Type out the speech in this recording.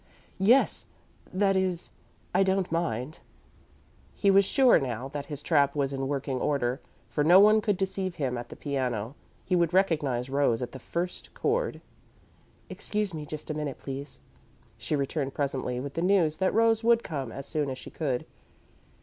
"Yes that is, I don't mind." He was sure, now, that his trap was in working order, for no one could deceive him at the piano he would recognise Rose at the first chord. "Excuse me just a minute, please." She returned presently with the news that Rose would come as soon as she could.